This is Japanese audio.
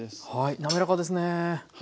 なめらかですね。